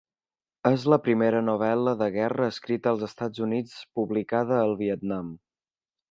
És la primera novel·la de guerra escrita als Estats Units publicada al Vietnam.